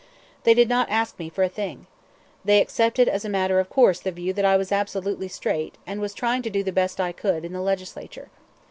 They did not ask me for a thing. They accepted as a matter of course the view that I was absolutely straight and was trying to do the best I could in the Legislature.